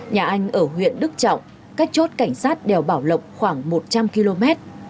nhà anh ở huyện đức trọng cách chốt cảnh sát đèo bảo lộc khoảng một trăm linh km